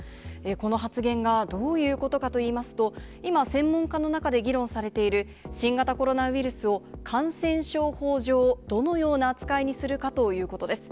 この発言がどういうことかといいますと、今、専門家の中で議論されている、新型コロナウイルスを感染症法上、どのような扱いにするかということです。